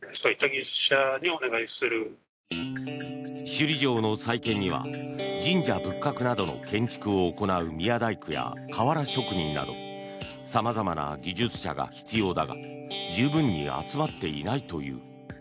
首里城の再建には神社仏閣などの建築を行う宮大工や瓦職人など様々な技術者が必要だが十分に集まっていないという。